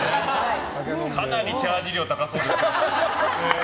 かなりチャージ料高そうですけどね。